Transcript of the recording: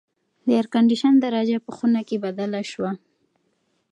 د اېرکنډیشن درجه په خونه کې بدله شوه.